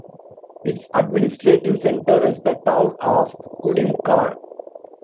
Its administrative center is the town of Kudymkar.